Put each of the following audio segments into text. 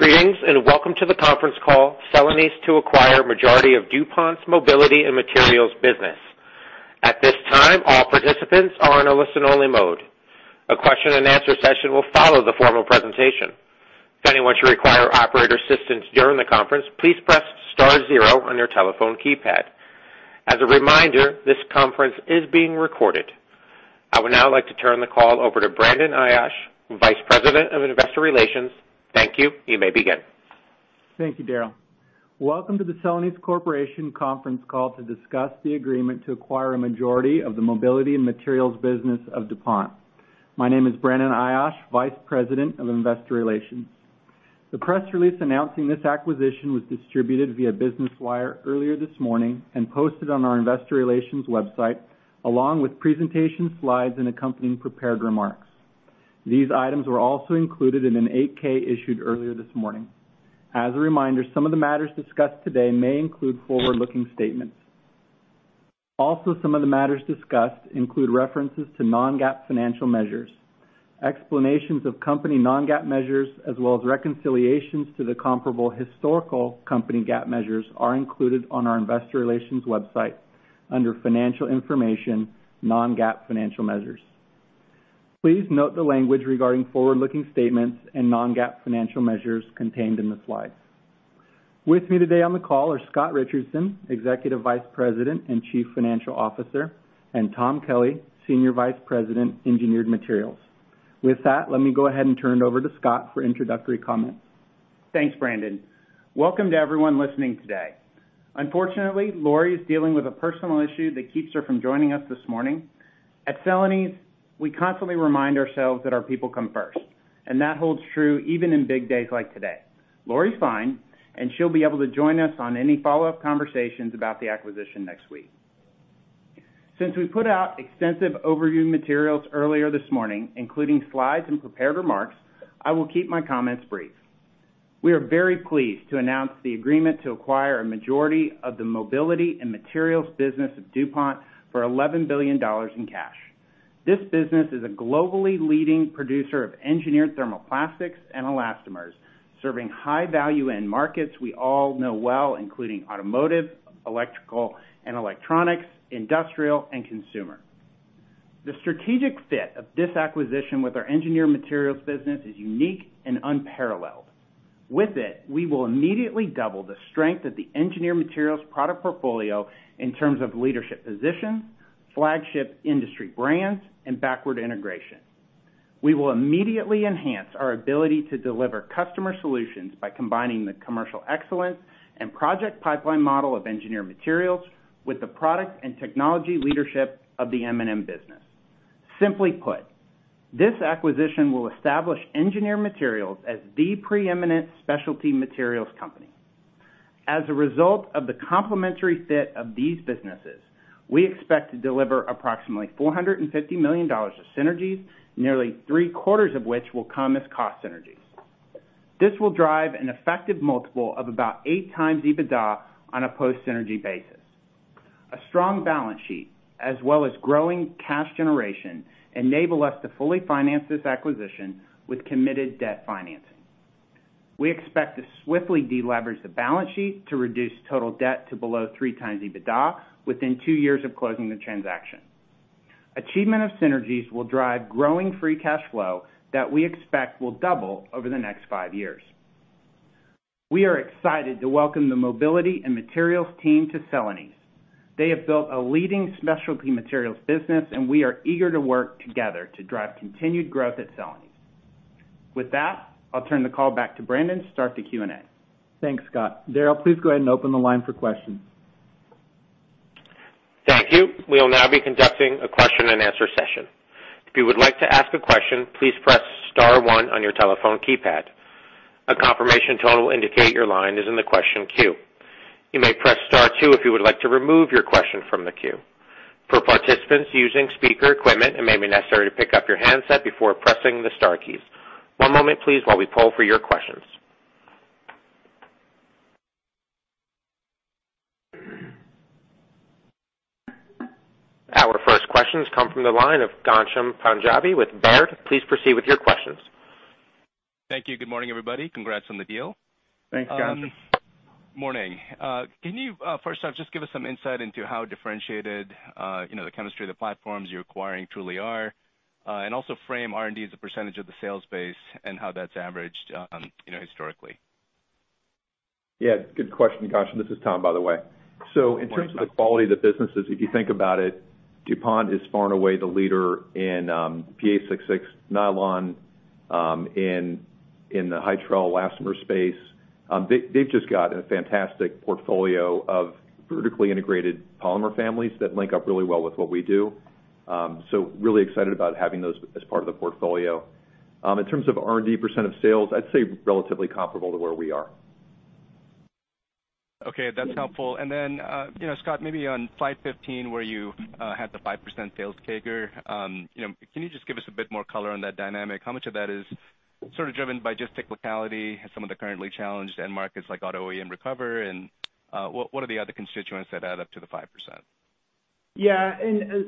Greetings, and welcome to the conference call, Celanese to acquire majority of DuPont's Mobility & Materials business. At this time, all participants are in a listen-only mode. A question-and-answer session will follow the formal presentation. If anyone should require operator assistance during the conference, please press star zero on your telephone keypad. As a reminder, this conference is being recorded. I would now like to turn the call over to Brandon Ayash, Vice President of Investor Relations. Thank you. You may begin. Thank you, Daryl. Welcome to the Celanese Corporation conference call to discuss the agreement to acquire a majority of the Mobility & Materials business of DuPont. My name is Brandon Ayash, Vice President of Investor Relations. The press release announcing this acquisition was distributed via Business Wire earlier this morning and posted on our investor relations website, along with presentation slides and accompanying prepared remarks. These items were also included in an 8-K issued earlier this morning. As a reminder, some of the matters discussed today may include forward-looking statements. Also, some of the matters discussed include references to non-GAAP financial measures. Explanations of company non-GAAP measures, as well as reconciliations to the comparable historical company GAAP measures, are included on our Investor Relations website under Financial Information Non-GAAP Financial Measures. Please note the language regarding forward-looking statements and non-GAAP financial measures contained in the slides. With me today on the call are Scott Richardson, Executive Vice President and Chief Financial Officer, and Tom Kelly, Senior Vice President, Engineered Materials. With that, let me go ahead and turn it over to Scott for introductory comments. Thanks, Brandon. Welcome to everyone listening today. Unfortunately, Lori is dealing with a personal issue that keeps her from joining us this morning. At Celanese, we constantly remind ourselves that our people come first, and that holds true even in big days like today. Lori's fine, and she'll be able to join us on any follow-up conversations about the acquisition next week. Since we put out extensive overview materials earlier this morning, including slides and prepared remarks, I will keep my comments brief. We are very pleased to announce the agreement to acquire a majority of the Mobility & Materials business of DuPont for $11 billion in cash. This business is a globally leading producer of engineered thermoplastics and elastomers, serving high value end markets we all know well, including automotive, electrical and electronics, industrial, and consumer. The strategic fit of this acquisition with our Engineered Materials business is unique and unparalleled. With it, we will immediately double the strength of the Engineered Materials product portfolio in terms of leadership position, flagship industry brands, and backward integration. We will immediately enhance our ability to deliver customer solutions by combining the commercial excellence and project pipeline model of Engineered Materials with the product and technology leadership of the M&M business. Simply put, this acquisition will establish Engineered Materials as the preeminent specialty materials company. As a result of the complementary fit of these businesses, we expect to deliver approximately $450 million of synergies, nearly 3/4 of which will come as cost synergies. This will drive an effective multiple of about 8x EBITDA on a post-synergy basis. A strong balance sheet as well as growing cash generation enable us to fully finance this acquisition with committed debt financing. We expect to swiftly deleverage the balance sheet to reduce total debt to below three times EBITDA within two years of closing the transaction. Achievement of synergies will drive growing free cash flow that we expect will double over the next five years. We are excited to welcome the Mobility & Materials team to Celanese. They have built a leading specialty materials business, and we are eager to work together to drive continued growth at Celanese. With that, I'll turn the call back to Brandon to start the Q&A. Thanks, Scott. Daryl, please go ahead and open the line for questions. Thank you. We will now be conducting a question-and-answer session. If you would like to ask a question, please press star one on your telephone keypad. A confirmation tone will indicate your line is in the question queue. You may press star two if you would like to remove your question from the queue. For participants using speaker equipment, it may be necessary to pick up your handset before pressing the star keys. One moment, please, while we poll for your questions. Our first questions come from the line of Ghansham Panjabi with Baird. Please proceed with your questions. Thank you. Good morning, everybody. Congrats on the deal. Thanks, Ghansham. Morning. Can you first off just give us some insight into how differentiated you know the chemistry of the platforms you're acquiring truly are and also frame R&D as a percentage of the sales base and how that's averaged you know historically? Yeah, good question, Ghansham. This is Tom, by the way. In terms of the quality of the businesses, if you think about it, DuPont is far and away the leader in PA66 nylon in the Hytrel elastomer space. They've just got a fantastic portfolio of vertically integrated polymer families that link up really well with what we do. In terms of R&D % of sales, I'd say relatively comparable to where we are. Okay, that's helpful. Then, you know, Scott, maybe on slide 15, where you had the 5% sales CAGR, you know, can you just give us a bit more color on that dynamic? How much of that is sort of driven by just technicality, some of the currently challenged end markets like auto OEM recover, and what are the other constituents that add up to the 5%?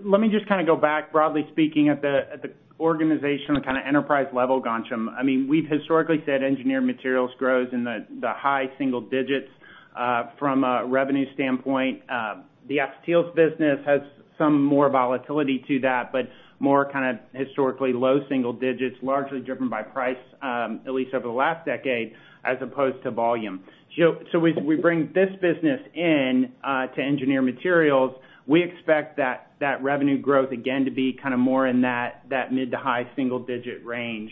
Let me just kind of go back broadly speaking at the organizational kind of enterprise level, Ghansham. I mean, we've historically said Engineered Materials grows in the high single digits from a revenue standpoint. The Acetyls business has some more volatility to that, but more kind of historically low single digits, largely driven by price, at least over the last decade, as opposed to volume. We bring this business in to Engineered Materials. We expect that revenue growth again to be kind of more in that mid- to high-single-digit range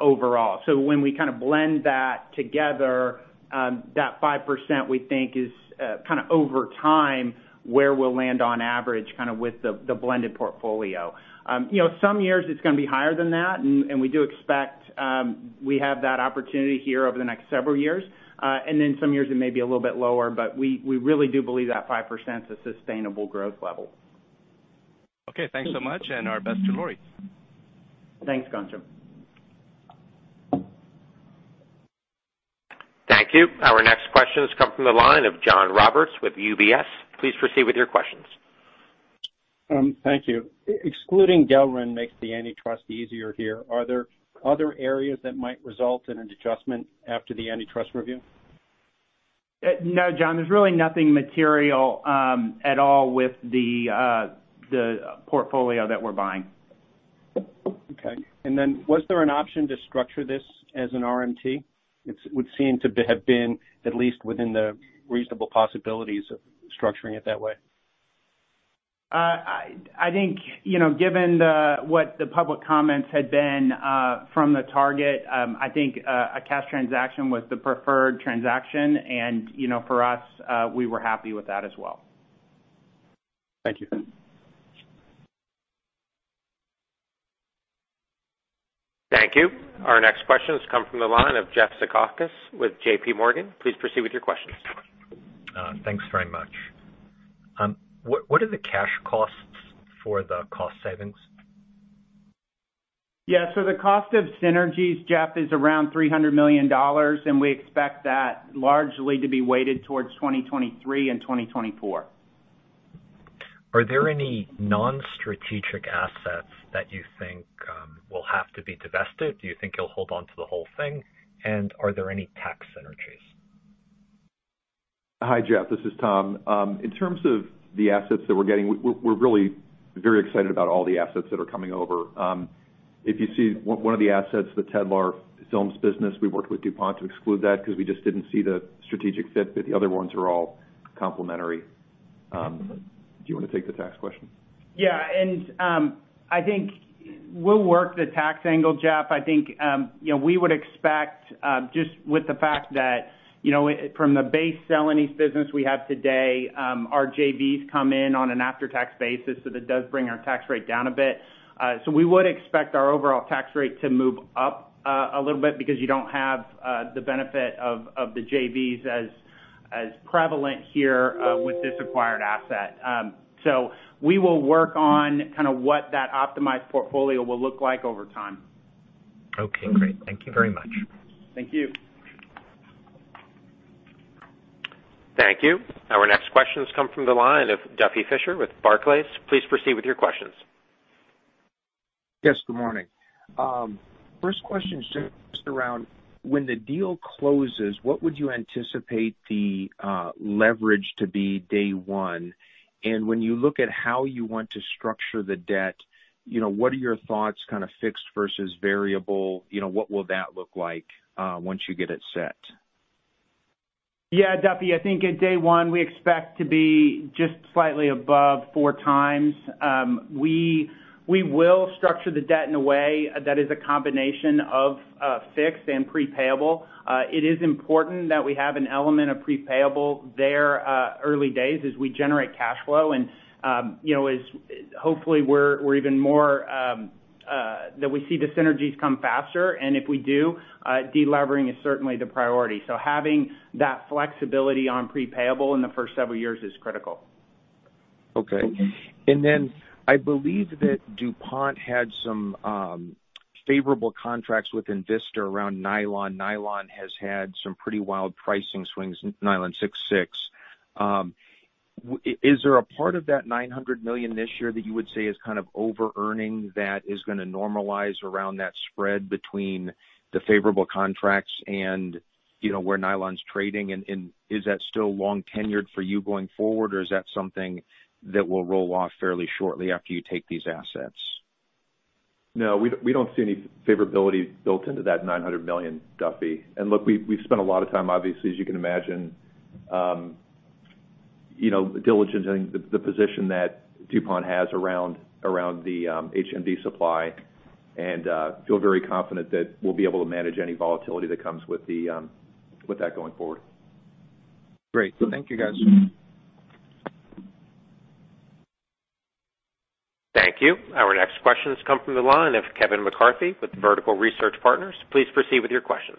overall. When we kind of blend that together, that 5% we think is kind of over time where we'll land on average, kind of with the blended portfolio. You know, some years it's gonna be higher than that. We do expect we have that opportunity here over the next several years. Some years it may be a little bit lower, but we really do believe that 5%'s a sustainable growth level. Okay. Thanks so much, and our best to Lori. Thanks, Ghansham. Thank you. Our next question has come from the line of John Roberts with UBS. Please proceed with your questions. Thank you. Excluding Delrin makes the antitrust easier here. Are there other areas that might result in an adjustment after the antitrust review? No, John, there's really nothing material at all with the portfolio that we're buying. Okay. Was there an option to structure this as an RMT? It would seem to have been at least within the reasonable possibilities of structuring it that way. I think, you know, given what the public comments had been from the target, I think a cash transaction was the preferred transaction and, you know, for us, we were happy with that as well. Thank you. Thank you. Our next question has come from the line of Jeff Zekauskas with JPMorgan. Please proceed with your questions. Thanks very much. What are the cash costs for the cost savings? The cost of synergies, Jeff, is around $300 million, and we expect that largely to be weighted towards 2023 and 2024. Are there any non-strategic assets that you think will have to be divested? Do you think you'll hold onto the whole thing? Are there any tax synergies? Hi, Jeff. This is Tom. In terms of the assets that we're getting, we're really very excited about all the assets that are coming over. If you see one of the assets, the Tedlar films business, we worked with DuPont to exclude that because we just didn't see the strategic fit, but the other ones are all complementary. Do you wanna take the tax question? Yeah. I think we'll work the tax angle, Jeff. I think, you know, we would expect, just with the fact that, you know, from the base Celanese business we have today, our JVs come in on an after-tax basis, so that does bring our tax rate down a bit. We would expect our overall tax rate to move up, a little bit because you don't have the benefit of the JVs as prevalent here, with this acquired asset. We will work on kind of what that optimized portfolio will look like over time. Okay, great. Thank you very much. Thank you. Thank you. Our next question has come from the line of Duffy Fischer with Barclays. Please proceed with your questions. Yes, good morning. First question is just around when the deal closes, what would you anticipate the leverage to be day one? When you look at how you want to structure the debt, you know, what are your thoughts kind of fixed versus variable? You know, what will that look like once you get it set? Yeah, Duffy. I think at day one, we expect to be just slightly above 4x. We will structure the debt in a way that is a combination of fixed and pre-payable. It is important that we have an element of pre-payable there early days as we generate cash flow. You know, as hopefully we're even more that we see the synergies come faster. If we do, de-levering is certainly the priority. Having that flexibility on pre-payable in the first several years is critical. Okay. I believe that DuPont had some favorable contracts within INVISTA around nylon. Nylon has had some pretty wild pricing swings, PA66. Is there a part of that $900 million this year that you would say is kind of overearning that is gonna normalize around that spread between the favorable contracts and, you know, where nylon's trading? Is that still long tenured for you going forward, or is that something that will roll off fairly shortly after you take these assets? No, we don't see any favorability built into that $900 million, Duffy. Look, we've spent a lot of time, obviously, as you can imagine, you know, diligent in the position that DuPont has around the HMD supply, and feel very confident that we'll be able to manage any volatility that comes with that going forward. Great. Thank you, guys. Thank you. Our next question has come from the line of Kevin McCarthy with Vertical Research Partners. Please proceed with your questions.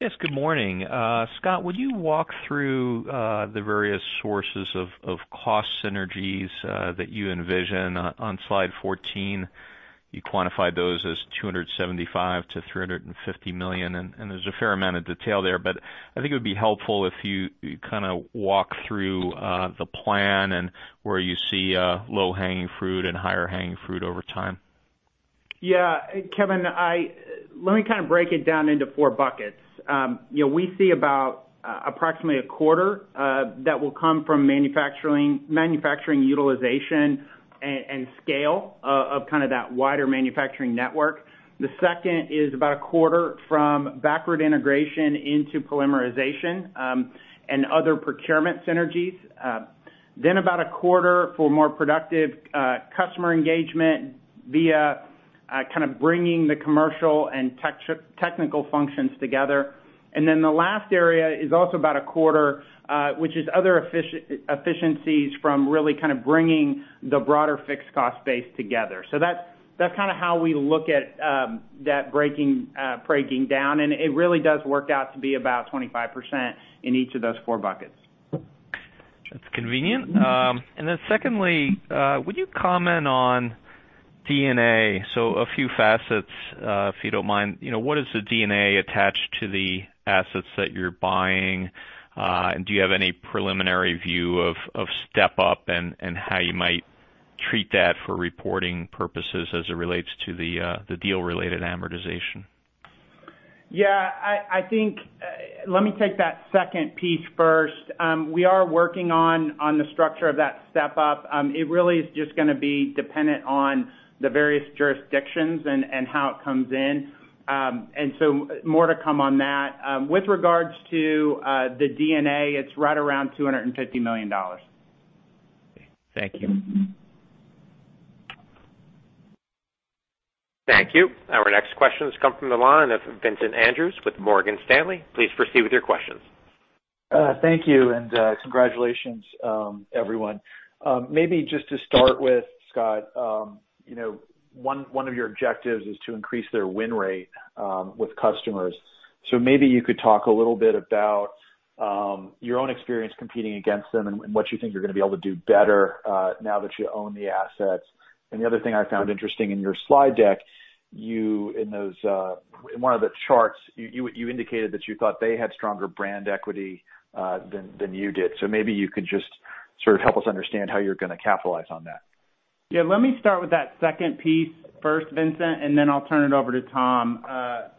Yes, good morning. Scott, would you walk through the various sources of cost synergies that you envision? On slide 14, you quantify those as $275 million-$350 million, and there's a fair amount of detail there, but I think it would be helpful if you kind of walk through the plan and where you see low-hanging fruit and higher hanging fruit over time. Yeah, Kevin, let me kind of break it down into four buckets. You know, we see about approximately 1/4 that will come from manufacturing utilization and scale of kind of that wider manufacturing network. The second is about 1/4 from backward integration into polymerization and other procurement synergies. Then about 1/4 for more productive customer engagement via kind of bringing the commercial and technical functions together. Then the last area is also about 1/4, which is other efficiencies from really kind of bringing the broader fixed cost base together. That's kinda how we look at that breaking down, and it really does work out to be about 25% in each of those four buckets. That's convenient. Then secondly, would you comment on D&A? A few facets, if you don't mind. You know, what is the D&A attached to the assets that you're buying? And do you have any preliminary view of step up and how you might treat that for reporting purposes as it relates to the deal-related amortization? Yeah, I think let me take that second piece first. We are working on the structure of that step up. It really is just gonna be dependent on the various jurisdictions and how it comes in. More to come on that. With regards to the D&A, it's right around $250 million. Thank you. Thank you. Our next question has come from the line of Vincent Andrews with Morgan Stanley. Please proceed with your questions. Thank you and congratulations, everyone. Maybe just to start with, Scott, you know, one of your objectives is to increase their win rate with customers. Maybe you could talk a little bit about your own experience competing against them and what you think you're gonna be able to do better now that you own the assets. The other thing I found interesting in your slide deck, in those, in one of the charts, you indicated that you thought they had stronger brand equity than you did. Maybe you could just sort of help us understand how you're gonna capitalize on that. Yeah, let me start with that second piece first, Vincent, and then I'll turn it over to Tom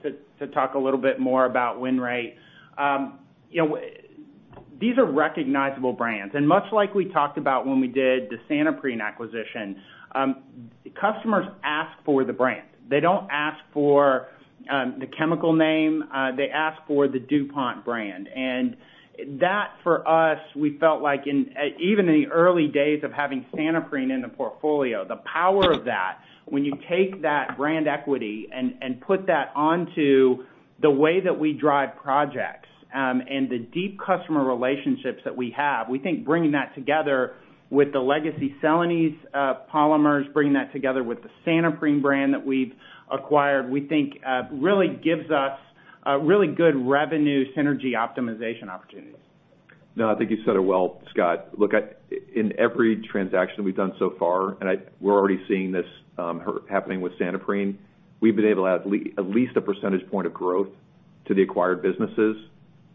to talk a little bit more about win rate. You know, these are recognizable brands. Much like we talked about when we did the Santoprene acquisition, customers ask for the brand. They don't ask for the chemical name. They ask for the DuPont brand. That, for us, we felt like even in the early days of having Santoprene in the portfolio, the power of that, when you take that brand equity and put that onto the way that we drive projects, and the deep customer relationships that we have, we think bringing that together with the legacy Celanese polymers, bringing that together with the Santoprene brand that we've acquired, we think really gives us a really good revenue synergy optimization opportunity. No, I think you said it well, Scott. Look, in every transaction we've done so far, and we're already seeing this, happening with Santoprene, we've been able to add at least a percentage point of growth to the acquired businesses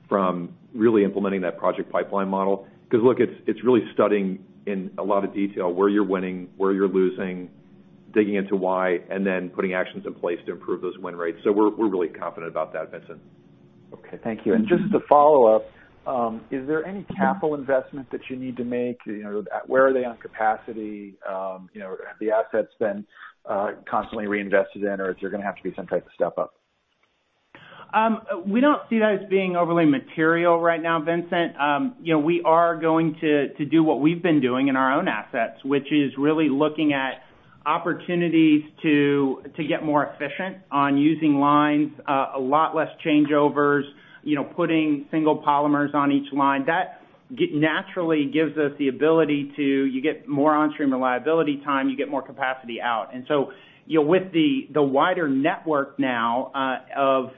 from really implementing that project pipeline model. 'Cause, look, it's really studying in a lot of detail where you're winning, where you're losing, digging into why, and then putting actions in place to improve those win rates. We're really confident about that, Vincent. Okay, thank you. Just to follow up, is there any capital investment that you need to make? You know, where are they on capacity? You know, have the assets been constantly reinvested in, or is there gonna have to be some type of step up? We don't see that as being overly material right now, Vincent. You know, we are going to do what we've been doing in our own assets, which is really looking at opportunities to get more efficient on using lines, a lot less changeovers, you know, putting single polymers on each line. That naturally gives us the ability to, you get more on-stream reliability time, you get more capacity out. You know, with the wider network now, of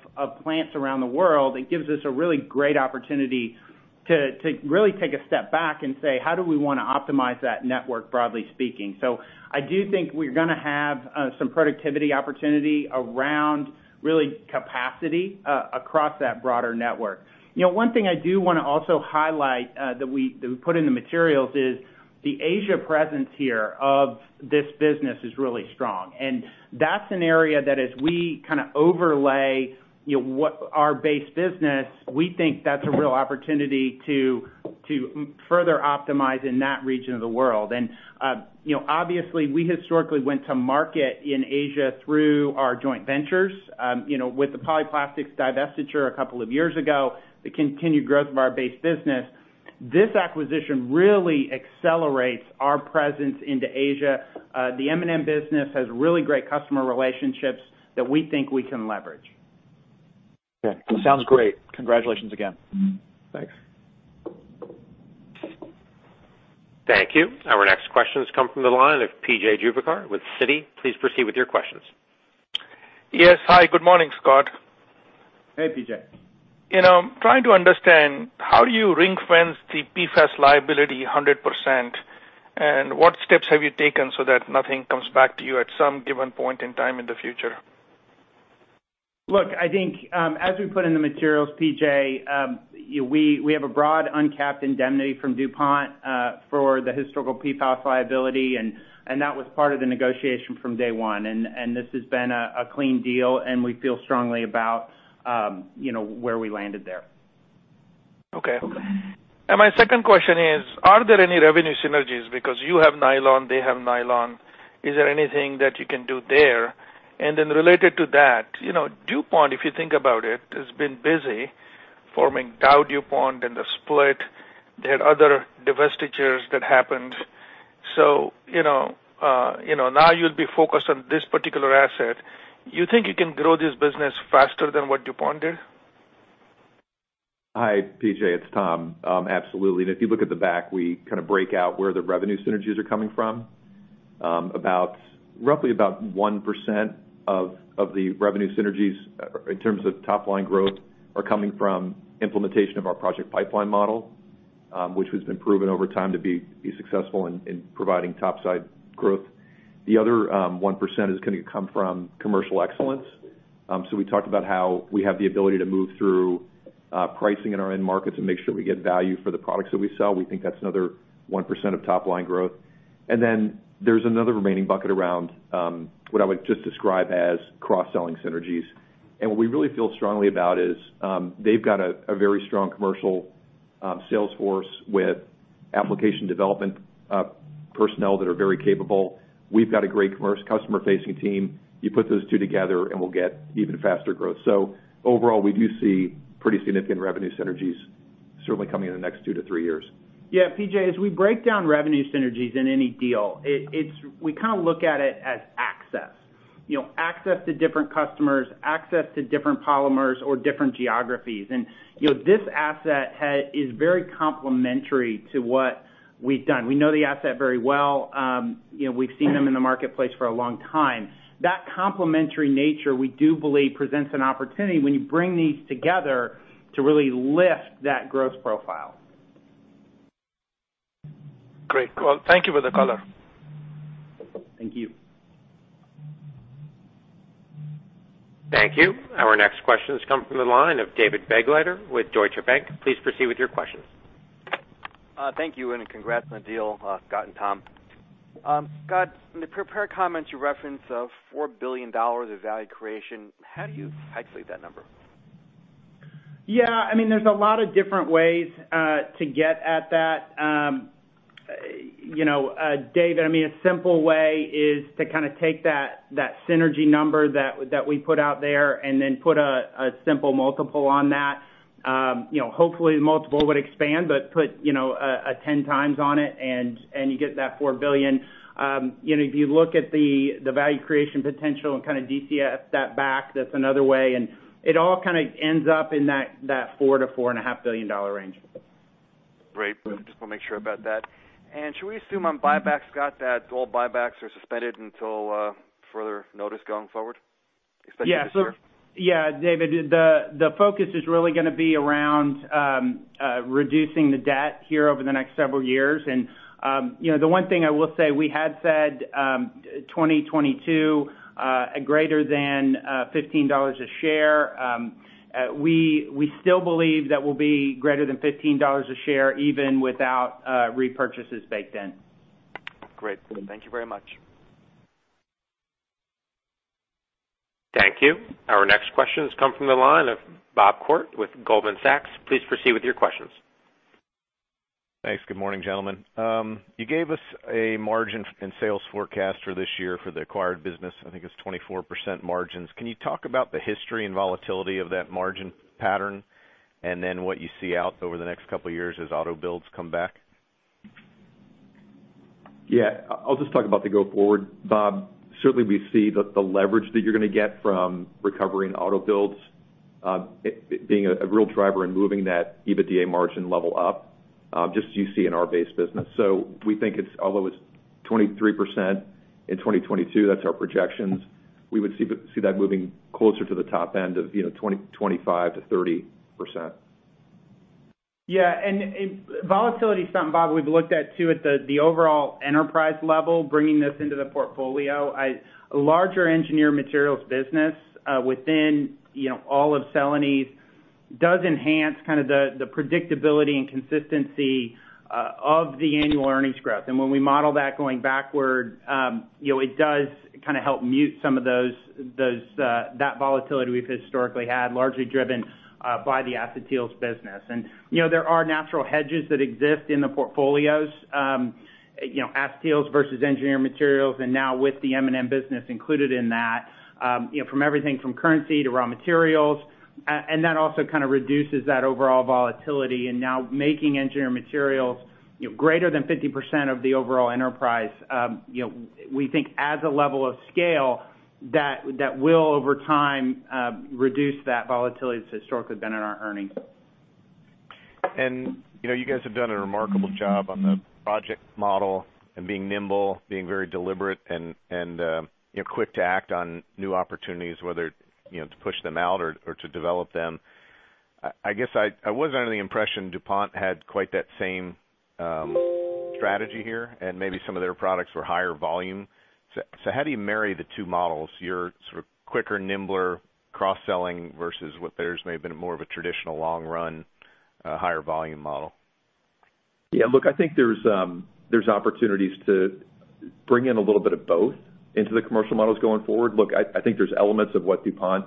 plants around the world, it gives us a really great opportunity to really take a step back and say, "How do we wanna optimize that network, broadly speaking?" I do think we're gonna have some productivity opportunity around really capacity across that broader network. You know, one thing I do wanna also highlight, that we put in the materials is the Asia presence here of this business is really strong. That's an area that as we kinda overlay, you know, what our base business, we think that's a real opportunity to further optimize in that region of the world. You know, obviously, we historically went to market in Asia through our joint ventures. You know, with the Polyplastics divestiture a couple of years ago, the continued growth of our base business, this acquisition really accelerates our presence into Asia. The M&M business has really great customer relationships that we think we can leverage. Okay. Sounds great. Congratulations again. Thanks. Thank you. Our next question has come from the line of P.J. Juvekar with Citi. Please proceed with your questions. Yes. Hi, good morning, Scott. Hey, P.J. You know, I'm trying to understand how do you ring-fence the PFAS liability 100%, and what steps have you taken so that nothing comes back to you at some given point in time in the future? Look, I think, as we put in the materials, P.J., we have a broad uncapped indemnity from DuPont for the historical PFAS liability, and that was part of the negotiation from day one. This has been a clean deal, and we feel strongly about, you know, where we landed there. Okay. My second question is, are there any revenue synergies? Because you have nylon, they have nylon. Is there anything that you can do there? Related to that, you know, DuPont, if you think about it, has been busy forming DowDuPont and the split. They had other divestitures that happened. You know, now you'll be focused on this particular asset. You think you can grow this business faster than what DuPont did? Hi, P.J., it's Tom. Absolutely. If you look at the back, we kind of break out where the revenue synergies are coming from. About roughly 1% of the revenue synergies in terms of top line growth are coming from implementation of our project pipeline model, which has been proven over time to be successful in providing top line growth. The other 1% is gonna come from commercial excellence. We talked about how we have the ability to move through pricing in our end markets and make sure we get value for the products that we sell. We think that's another 1% of top line growth. Then there's another remaining bucket around what I would just describe as cross-selling synergies. What we really feel strongly about is they've got a very strong commercial sales force with application development personnel that are very capable. We've got a great commercial customer-facing team. You put those two together, and we'll get even faster growth. Overall, we do see pretty significant revenue synergies certainly coming in the next two to three years. Yeah, P.J., as we break down revenue synergies in any deal, we kind of look at it as access. You know, access to different customers, access to different polymers or different geographies. You know, this asset is very complementary to what we've done. We know the asset very well. You know, we've seen them in the marketplace for a long time. That complementary nature, we do believe, presents an opportunity when you bring these together to really lift that growth profile. Great. Well, thank you for the color. Thank you. Thank you. Our next question has come from the line of David Begleiter with Deutsche Bank. Please proceed with your questions. Thank you, and congrats on the deal, Scott and Tom. Scott, in the prepared comments, you referenced $4 billion of value creation. How do you calculate that number? Yeah, I mean, there's a lot of different ways to get at that. You know, David, I mean, a simple way is to kind of take that synergy number that we put out there and then put a simple multiple on that. You know, hopefully, the multiple would expand, but put, you know, a 10x on it and you get that $4 billion. You know, if you look at the value creation potential and kind of DCF that back, that's another way, and it all kind of ends up in that $4 billion-$4.5 billion range. Great. Just wanna make sure about that. Should we assume on buybacks, Scott, that all buybacks are suspended until further notice going forward, especially this year? Yeah, David, the focus is really gonna be around reducing the debt here over the next several years. You know, the one thing I will say, we had said 2022, a greater than $15 a share. We still believe that will be greater than $15 a share even without repurchases baked in. Great. Thank you very much. Thank you. Our next question has come from the line of Bob Koort with Goldman Sachs. Please proceed with your questions. Thanks. Good morning, gentlemen. You gave us a margin and sales forecast for this year for the acquired business. I think it's 24% margins. Can you talk about the history and volatility of that margin pattern and then what you see out over the next couple of years as auto builds come back? Yeah. I'll just talk about the going forward, Bob. Certainly, we see the leverage that you're gonna get from recovering auto builds, it being a real driver in moving that EBITDA margin level up, just as you see in our base business. We think it's, although it's 23% in 2022, that's our projections, we would see that moving closer to the top end of, you know, 25%-30%. Yeah. Volatility is something, Bob, we've looked at too at the overall enterprise level, bringing this into the portfolio. A larger Engineered Materials business within, you know, all of Celanese does enhance kind of the predictability and consistency of the annual earnings growth. When we model that going backward, you know, it does kind of help mute some of that volatility we've historically had, largely driven by the Acetyls business. You know, there are natural hedges that exist in the portfolios, you know, Acetyls versus Engineered Materials, and now with the M&M business included in that, you know, from everything from currency to raw materials. And that also kind of reduces that overall volatility. Now making Engineered Materials, you know, greater than 50% of the overall enterprise, we think adds a level of scale that will over time reduce that volatility that's historically been in our earnings. You know, you guys have done a remarkable job on the project model and being nimble, being very deliberate and you know, quick to act on new opportunities, whether, you know, to push them out or to develop them. I guess I was under the impression DuPont had quite the same strategy here, and maybe some of their products were higher volume. How do you marry the two models, your sort of quicker, nimbler cross-selling versus what theirs may have been more of a traditional long run, higher volume model? Yeah. Look, I think there's opportunities to bring in a little bit of both into the commercial models going forward. Look, I think there's elements of what DuPont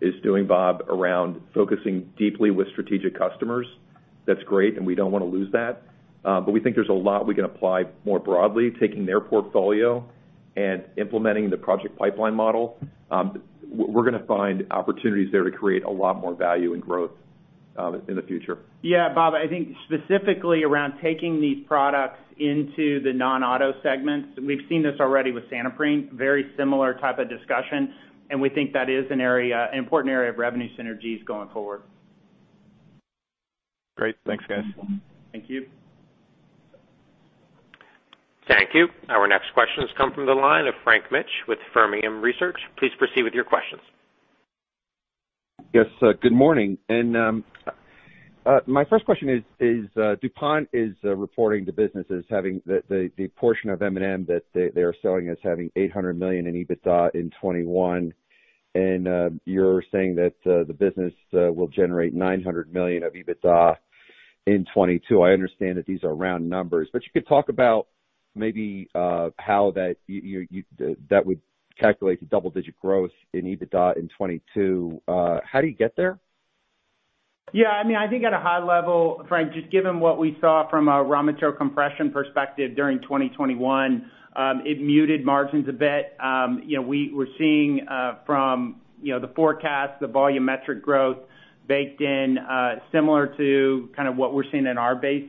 is doing, Bob, around focusing deeply with strategic customers. That's great, and we don't wanna lose that. We think there's a lot we can apply more broadly, taking their portfolio and implementing the project pipeline model. We're gonna find opportunities there to create a lot more value and growth in the future. Yeah. Bob, I think specifically around taking these products into the non-auto segments, we've seen this already with Santoprene, very similar type of discussion, and we think that is an area, an important area of revenue synergies going forward. Great. Thanks, guys. Thank you. Thank you. Our next question has come from the line of Frank Mitsch with Fermium Research. Please proceed with your questions. Yes. Good morning. My first question is, DuPont is reporting the businesses having the portion of M&M that they are selling as having $800 million in EBITDA in 2021. You're saying that the business will generate $900 million of EBITDA in 2022. I understand that these are round numbers, but you could talk about maybe how that would calculate to double-digit growth in EBITDA in 2022. How do you get there? Yeah. I mean, I think at a high level, Frank, just given what we saw from a raw material compression perspective during 2021, it muted margins a bit. You know, we were seeing from the forecast, the volumetric growth baked in, similar to kind of what we're seeing in our base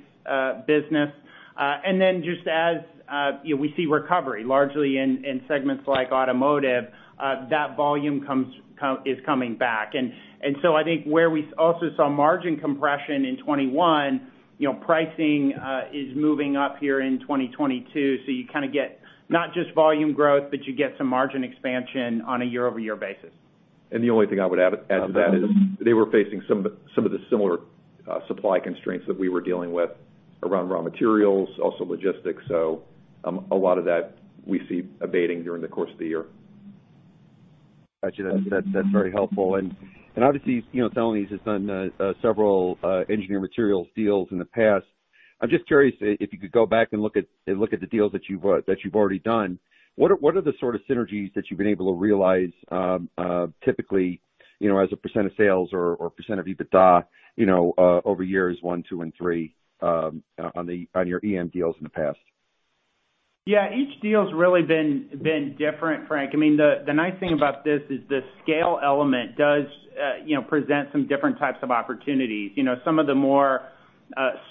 business. And then just as you know, we see recovery largely in segments like automotive, that volume is coming back. And so I think where we also saw margin compression in 2021, you know, pricing is moving up here in 2022, so you kind of get not just volume growth, but you get some margin expansion on a year-over-year basis. The only thing I would add to that is they were facing some of the similar supply constraints that we were dealing with around raw materials, also logistics. A lot of that we see abating during the course of the year. Gotcha. That's very helpful. Obviously, you know, Celanese has done several Engineered Materials deals in the past. I'm just curious if you could go back and look at the deals that you've already done. What are the sort of synergies that you've been able to realize, typically, you know, as a percent of sales or percent of EBITDA, you know, over years one, two, and three, on your EM deals in the past? Yeah. Each deal's really been different, Frank. I mean, the nice thing about this is the scale element does, you know, present some different types of opportunities. You know, some of the more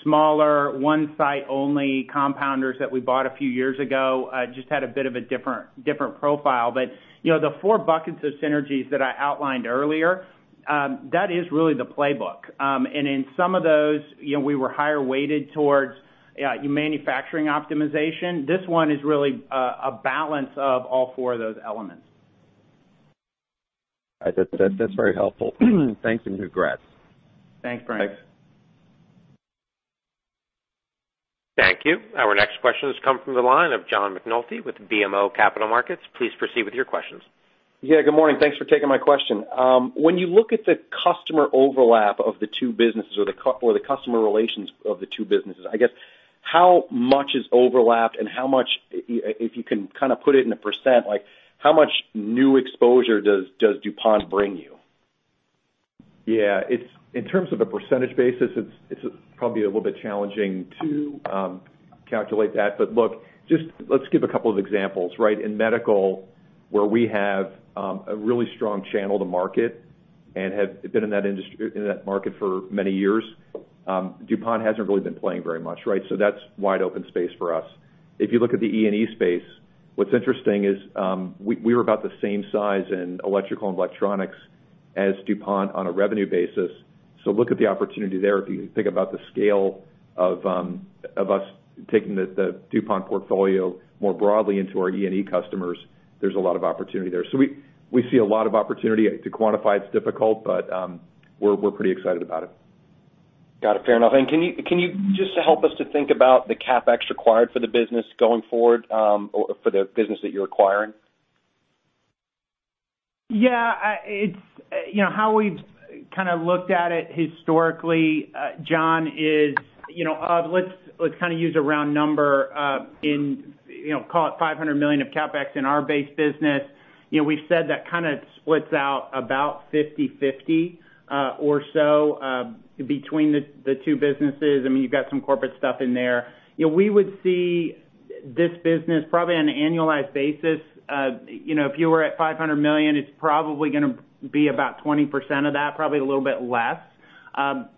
smaller one site only compounders that we bought a few years ago just had a bit of a different profile. But, you know, the four buckets of synergies that I outlined earlier, that is really the playbook. In some of those, you know, we were higher weighted towards manufacturing optimization. This one is really a balance of all four of those elements. That's very helpful. Thanks, and congrats. Thanks, Frank. Thanks. Thank you. Our next question has come from the line of John McNulty with BMO Capital Markets. Please proceed with your questions. Yeah, good morning. Thanks for taking my question. When you look at the customer overlap of the two businesses or the customer relations of the two businesses, I guess how much is overlapped and how much, if you can kind of put it in a percent, like how much new exposure does DuPont bring you? Yeah. It's in terms of a percentage basis, it's probably a little bit challenging to calculate that. Look, just let's give a couple of examples, right? In medical, where we have a really strong channel to market and have been in that industry, in that market for many years, DuPont hasn't really been playing very much, right? That's wide open space for us. If you look at the E&E space, what's interesting is, we were about the same size in electrical and electronics as DuPont on a revenue basis. Look at the opportunity there. If you think about the scale of us taking the DuPont portfolio more broadly into our E&E customers, there's a lot of opportunity there. We see a lot of opportunity. To quantify, it's difficult, but we're pretty excited about it. Got it. Fair enough. Can you just help us to think about the CapEx required for the business going forward, or for the business that you're acquiring? It's, you know, how we've kind of looked at it historically, John, is, you know, let's kind of use a round number, in, you know, call it $500 million of CapEx in our base business. You know, we've said that kind of splits out about 50/50, or so, between the two businesses. I mean, you've got some corporate stuff in there. You know, we would see this business probably on an annualized basis. You know, if you were at $500 million, it's probably gonna be about 20% of that, probably a little bit less.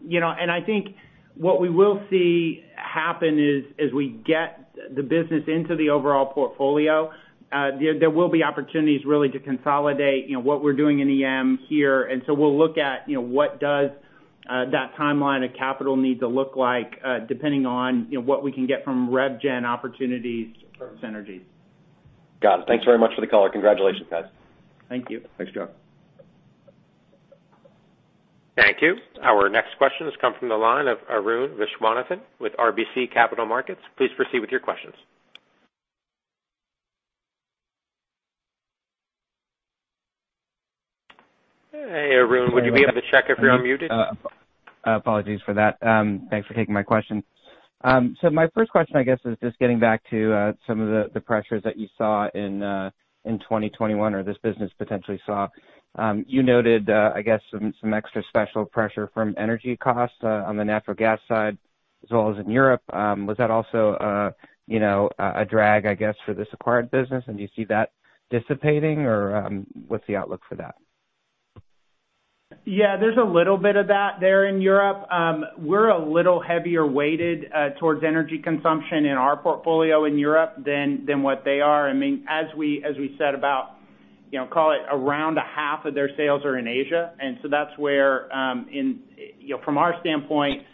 You know, and I think what we will see happen is, as we get the business into the overall portfolio, there will be opportunities really to consolidate, you know, what we're doing in EM here. We'll look at, you know, what does that timeline of capital need to look like, depending on, you know, what we can get from rev gen opportunities from synergies. Got it. Thanks very much for the color. Congratulations, guys. Thank you. Thanks, John. Thank you. Our next question has come from the line of Arun Viswanathan with RBC Capital Markets. Please proceed with your questions. Hey, Arun. Would you be able to check if you're unmuted? Apologies for that. Thanks for taking my question. So my first question, I guess, is just getting back to some of the pressures that you saw in 2021 or this business potentially saw. You noted, I guess, some extra special pressure from energy costs on the natural gas side as well as in Europe. Was that also, you know, a drag, I guess, for this acquired business and do you see that dissipating or what's the outlook for that? Yeah, there's a little bit of that there in Europe. We're a little heavier weighted towards energy consumption in our portfolio in Europe than what they are. I mean, as we said about, you know, call it around a half of their sales are in Asia. That's where, from our standpoint,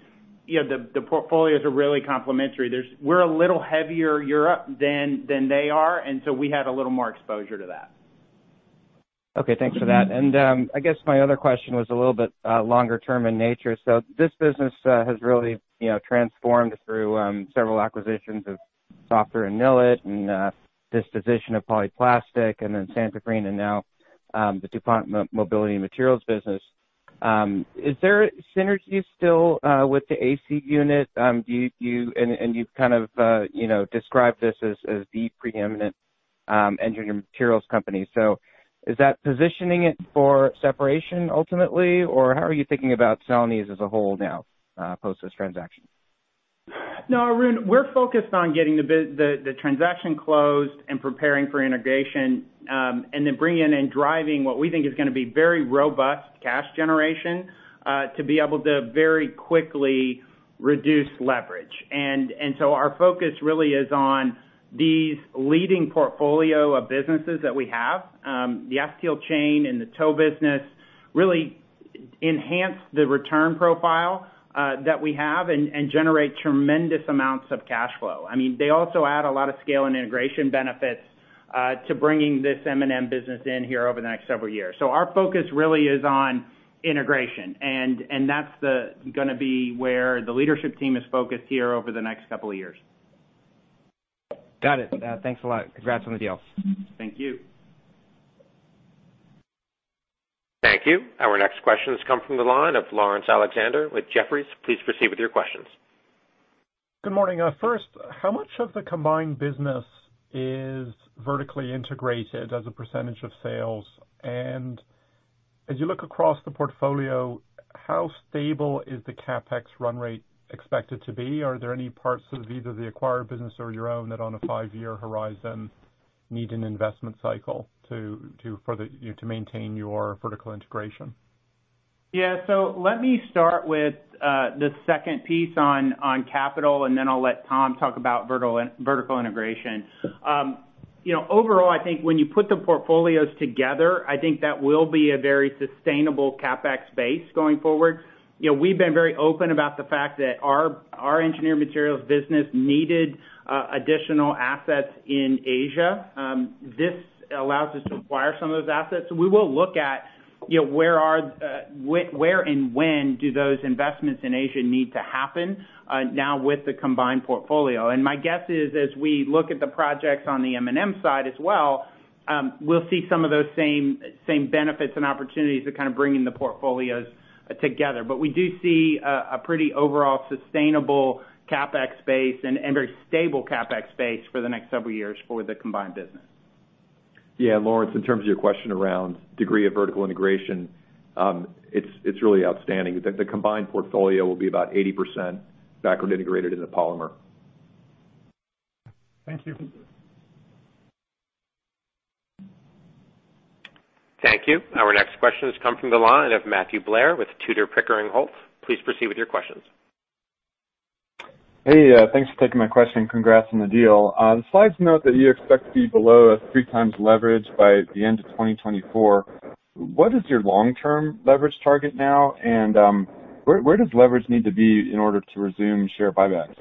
you know, the portfolios are really complementary. We're a little heavier in Europe than they are, and so we had a little more exposure to that. Okay, thanks for that. I guess my other question was a little bit longer term in nature. This business has really, you know, transformed through several acquisitions of SO.F.TER. and Nilit and disposition of Polyplastics and then Santoprene and now the DuPont Mobility & Materials business. Is there synergies still with the AC unit? Do you and you've kind of you know described this as the preeminent engineering materials company. Is that positioning it for separation ultimately or how are you thinking about selling these as a whole now post this transaction? No, Arun, we're focused on getting the transaction closed and preparing for integration, and then bringing in and driving what we think is gonna be very robust cash generation to be able to very quickly reduce leverage. Our focus really is on these leading portfolio of businesses that we have. The Acetyl Chain and the Tow business really enhance the return profile that we have and generate tremendous amounts of cash flow. I mean, they also add a lot of scale and integration benefits to bringing this M&M business in here over the next several years. Our focus really is on integration, and that's gonna be where the leadership team is focused here over the next couple of years. Got it. Thanks a lot. Congrats on the deal. Thank you. Thank you. Our next question has come from the line of Laurence Alexander with Jefferies. Please proceed with your questions. Good morning. First, how much of the combined business is vertically integrated as a percentage of sales? As you look across the portfolio, how stable is the CapEx run rate expected to be? Are there any parts of either the acquired business or your own that on a five-year horizon need an investment cycle to, you know, to maintain your vertical integration? Yeah. Let me start with the second piece on capital, and then I'll let Tom talk about vertical integration. You know, overall, I think when you put the portfolios together, I think that will be a very sustainable CapEx base going forward. You know, we've been very open about the fact that our Engineered Materials business needed additional assets in Asia. This allows us to acquire some of those assets. We will look at, you know, where and when do those investments in Asia need to happen now with the combined portfolio. My guess is as we look at the projects on the M&M side as well, we'll see some of those same benefits and opportunities to kind of bring the portfolios together. We do see a pretty overall sustainable CapEx base and very stable CapEx base for the next several years for the combined business. Yeah, Laurence, in terms of your question around degree of vertical integration, it's really outstanding. The combined portfolio will be about 80% backward integrated into polymer. Thank you. Thank you. Our next question has come from the line of Matthew Blair with Tudor, Pickering, Holt. Please proceed with your questions. Hey, thanks for taking my question. Congrats on the deal. The slides note that you expect to be below a 3x leverage by the end of 2024. What is your long-term leverage target now? Where does leverage need to be in order to resume share buybacks?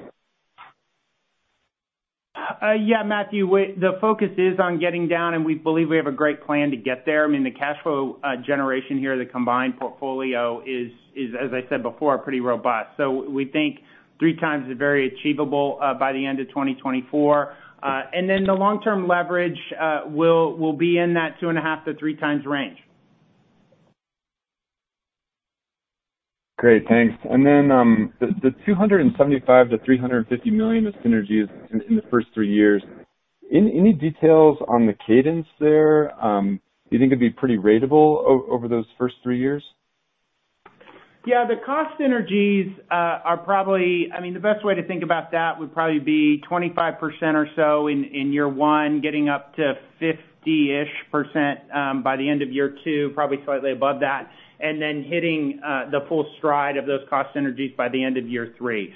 Yeah, Matthew, the focus is on getting down, and we believe we have a great plan to get there. I mean, the cash flow generation here, the combined portfolio is, as I said before, pretty robust. We think 3x is very achievable by the end of 2024. The long-term leverage will be in that 2.5x-3x range. Great. Thanks. Then, the $275 million-$350 million of synergies in the first three years, any details on the cadence there, you think could be pretty ratable over those first three years? Yeah, the cost synergies are probably—I mean, the best way to think about that would probably be 25% or so in year one, getting up to 50-ish% by the end of year two, probably slightly above that, and then hitting the full stride of those cost synergies by the end of year three.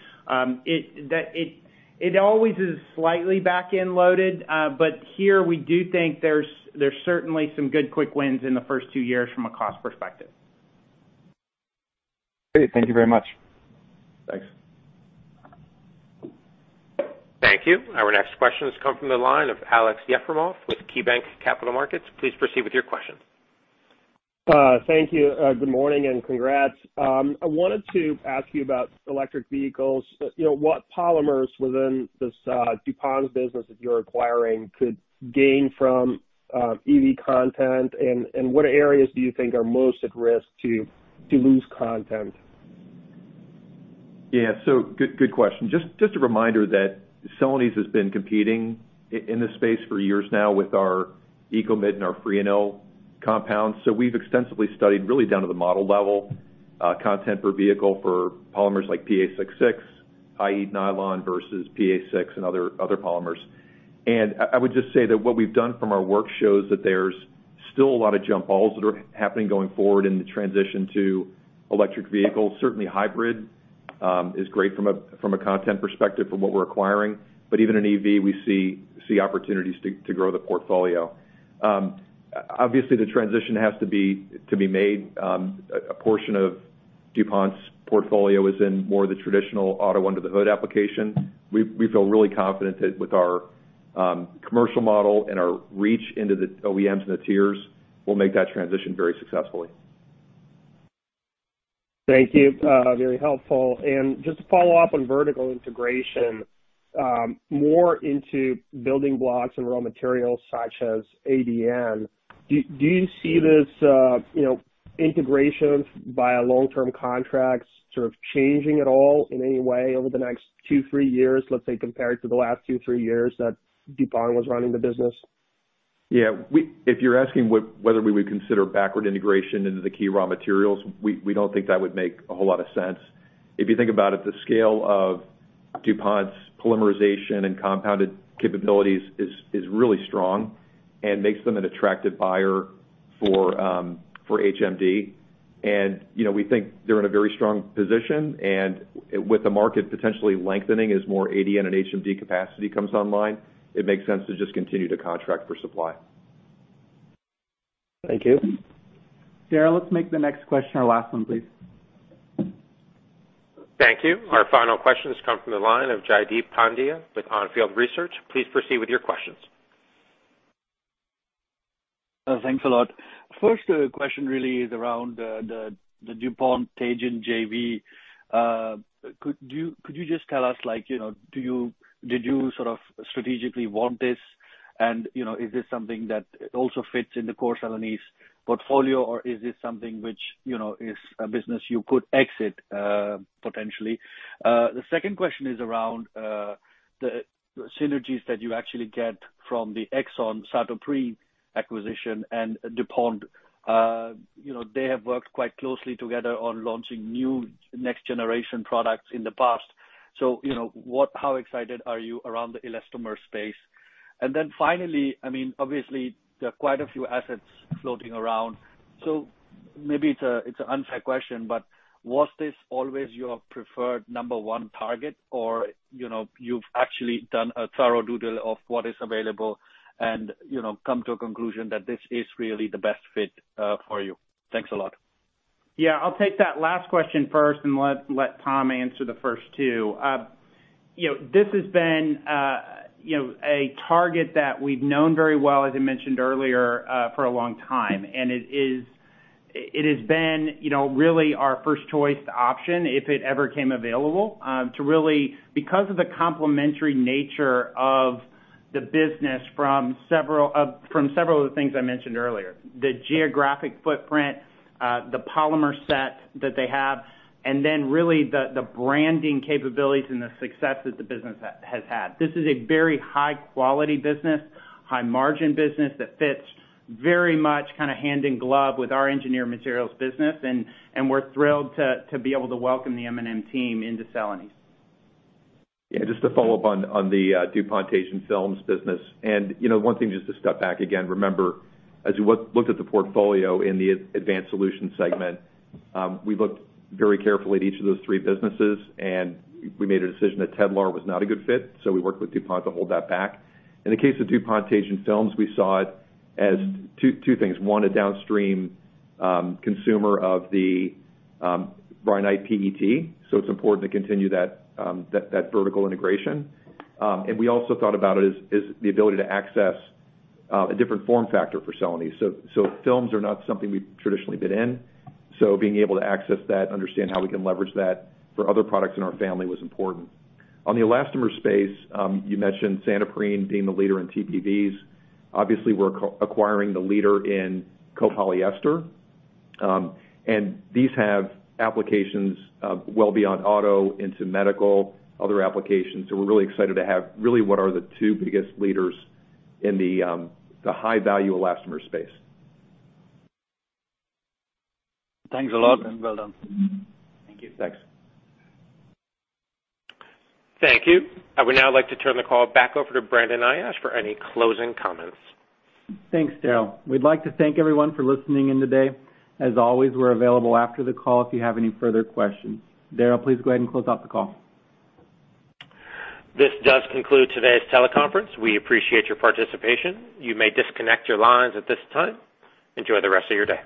It always is slightly back-end loaded, but here we do think there's certainly some good quick wins in the first two years from a cost perspective. Great. Thank you very much. Thanks. Thank you. Our next question has come from the line of Aleksey Yefremov with KeyBanc Capital Markets. Please proceed with your question. Thank you, good morning, and congrats. I wanted to ask you about electric vehicles. You know, what polymers within this DuPont business that you're acquiring could gain from EV content, and what areas do you think are most at risk to lose content? Yeah. Good question. Just a reminder that Celanese has been competing in this space for years now with our Ecomid and our Frianyl compounds. We've extensively studied really down to the model level, content per vehicle for polymers like PA66, i.e., nylon versus PA6 and other polymers. I would just say that what we've done from our work shows that there's still a lot of jump balls that are happening going forward in the transition to electric vehicles. Certainly hybrid is great from a content perspective from what we're acquiring, but even in EV we see opportunities to grow the portfolio. Obviously the transition has to be made. A portion of DuPont's portfolio is in more the traditional auto under the hood application. We feel really confident that with our commercial model and our reach into the OEMs and the tiers, we'll make that transition very successfully. Thank you, very helpful. Just to follow up on vertical integration, more into building blocks and raw materials such as ADN. Do you see this, you know, integration via long-term contracts sort of changing at all in any way over the next two, three years, let's say, compared to the last two, three years that DuPont was running the business? Yeah. If you're asking whether we would consider backward integration into the key raw materials, we don't think that would make a whole lot of sense. If you think about it, the scale of DuPont's polymerization and compounded capabilities is really strong and makes them an attractive buyer for HMD. You know, we think they're in a very strong position, and with the market potentially lengthening as more ADN and HMD capacity comes online, it makes sense to just continue to contract for supply. Thank you. Darryl, let's make the next question our last one, please. Thank you. Our final question has come from the line of Jaideep Pandya with On Field Research. Please proceed with your questions. Thanks a lot. First question really is around the DuPont Teijin JV. Could you just tell us, like, you know, did you sort of strategically want this? And, you know, is this something that also fits in the core Celanese portfolio, or is this something which, you know, is a business you could exit potentially? The second question is around the synergies that you actually get from the ExxonMobil Santoprene acquisition and DuPont. You know, they have worked quite closely together on launching new next generation products in the past. So, you know, how excited are you around the elastomer space? And then finally, I mean, obviously, there are quite a few assets floating around, so maybe it's an unfair question, but was this always your preferred number one target? you know, you've actually done a thorough due diligence of what is available and, you know, come to a conclusion that this is really the best fit for you. Thanks a lot. Yeah. I'll take that last question first and let Tom answer the first two. You know, this has been, you know, a target that we've known very well, as I mentioned earlier, for a long time. It is, it has been, you know, really our first choice option if it ever came available, to really because of the complementary nature of the business from several of the things I mentioned earlier, the geographic footprint, the polymer set that they have, and then really the branding capabilities and the success that the business has had. This is a very high quality business, high margin business that fits very much kind of hand in glove with our Engineered Materials business, and we're thrilled to be able to welcome the M&M team into Celanese. Just to follow up on the DuPont Teijin Films business. One thing just to step back again, remember, as you looked at the portfolio in the Advanced Solutions segment, we looked very carefully at each of those three businesses, and we made a decision that Tedlar was not a good fit, so we worked with DuPont to hold that back. In the case of DuPont Teijin Films, we saw it as two things. One, a downstream consumer of the Rynite PET, so it's important to continue that vertical integration. We also thought about it as the ability to access a different form factor for Celanese. Films are not something we've traditionally been in, so being able to access that, understand how we can leverage that for other products in our family was important. On the elastomer space, you mentioned Santoprene being the leader in TPVs. Obviously, we're acquiring the leader in copolyester. These have applications well beyond auto into medical, other applications. We're really excited to have what are the two biggest leaders in the high value elastomer space. Thanks a lot, and well done. Thank you. Thanks. Thank you. I would now like to turn the call back over to Brandon Ayash for any closing comments. Thanks, Darryl. We'd like to thank everyone for listening in today. As always, we're available after the call if you have any further questions. Darryl, please go ahead and close out the call. This does conclude today's teleconference. We appreciate your participation. You may disconnect your lines at this time. Enjoy the rest of your day.